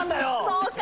そうか！